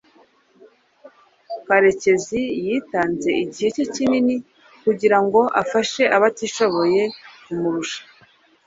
Karekeziyitanze igihe cye kinini kugirango afashe abatishoboye kumurusha.